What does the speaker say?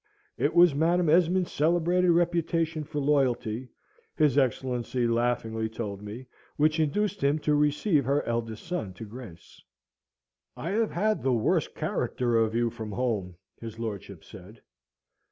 It was Madam Esmond's celebrated reputation for loyalty (his Excellency laughingly told me) which induced him to receive her eldest son to grace. "I have had the worst character of you from home," his lordship said.